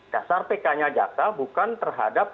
dasar pk nya jaksa bukan terhadap